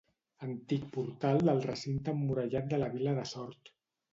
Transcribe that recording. Antic portal del recinte emmurallat de la vila de Sort.